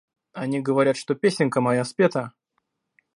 Они говорят, что песенка моя спета.